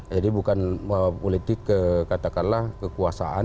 jadi bukan politik ke katakanlah kekuasaan